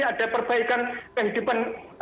ada perbaikan kehidupan